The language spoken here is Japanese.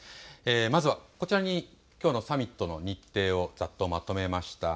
まずはこちらにきょうのサミットの日程をざっとまとめました。